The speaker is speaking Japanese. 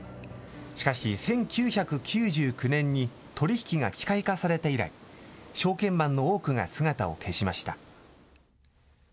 しかし、１９９９年に取り引きが機械化されて以来、証券マンの多くが姿を消しました。